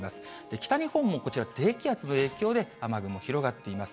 北日本もこちら、低気圧の影響で雨雲広がっています。